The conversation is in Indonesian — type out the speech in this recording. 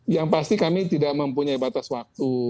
yang pasti kami tidak mempunyai batas waktu